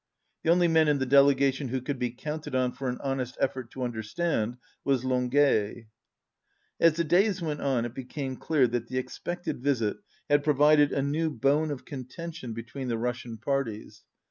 The only man in the delegation who could be counted on for an honest effort to understand was Longuet. As the days went on, it became clear that the expected visit had provided a new bone of conten tion between the Russian parties.